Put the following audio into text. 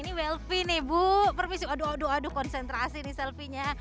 ini welfie nih bu permisi aduh aduh konsentrasi nih selfie nya